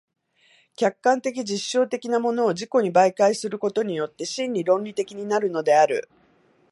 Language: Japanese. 客観的実証的なものを自己に媒介することによって真に論理的になるのである。